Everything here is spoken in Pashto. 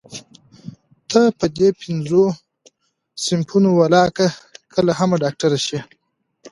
ته په دې پينځو صنفونو ولاکه کله هم ډاکټره شې.